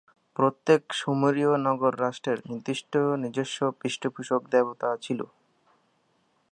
প্রত্যেক সুমেরীয় নগর-রাষ্ট্রের নির্দিষ্ট নিজস্ব পৃষ্ঠপোষক দেবতা ছিল।